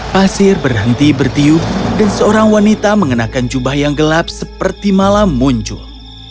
pasir berhenti bertiup dan seorang wanita mengenakan jubah yang gelap seperti malam muncul